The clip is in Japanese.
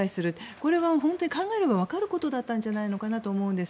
これは本当に考えればわかることだったんじゃないかと思うんです。